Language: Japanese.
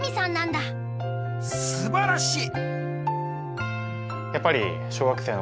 すばらしい！